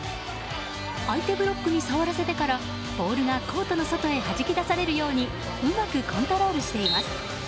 相手ブロックに触らせてからボールがコートの外へはじき出されるようにうまくコントロールしています。